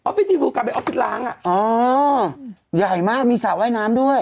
อฟฟิตทีวีพูลกลับไปอฟฟิตร้างอะอ๋อใหญ่มากมีสระว่ายน้ำด้วย